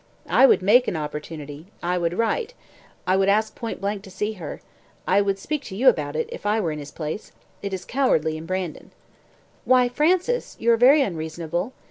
"I would make an opportunity I would write I would ask point blank to see her I would speak to you about it, if I were in his place. It is cowardly in Brandon." "Why, Francis, you are very unreasonable.